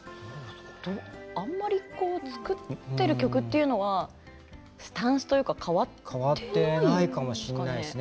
あんまり作っている曲というのは、スタンスというか、変わってないかもしれないですね。